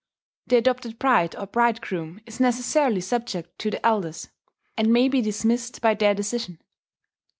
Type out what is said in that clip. The adopted bride or bridegroom is necessarily subject to the elders, and may be dismissed by their decision.